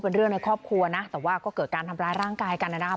เป็นเรื่องในครอบครัวนะแต่ว่าก็เกิดการทำร้ายร่างกายกันนะครับ